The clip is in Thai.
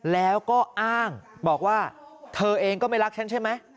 แล้วก็อ้างบอกว่าเธอเองก็ไม่รักฉันใช่ไหม